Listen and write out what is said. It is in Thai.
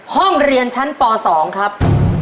ห้องเรียนชั้นป่อสองครับ